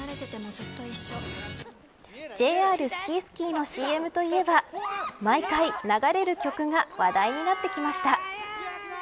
ＪＲＳＫＩＳＫＩのＣＭといえば毎回、流れる曲が話題になってきました。